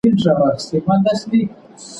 د څېړني موخه نه ورکېږي.